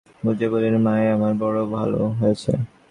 মাসি তাহাকে অনেক করিয়া বুঝাইয়া বলিলেন, মা, এ আমার বড়ো ভালো হয়েছে।